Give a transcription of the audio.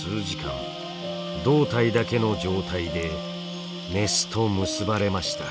胴体だけの状態でメスと結ばれました。